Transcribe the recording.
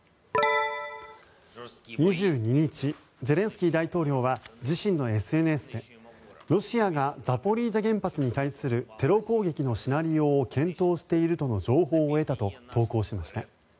２２日ゼレンスキー大統領は自身のＳＮＳで、ロシアがザポリージャ原発に対するテロ攻撃のシナリオを検討しているとの情報を得たと投稿しました。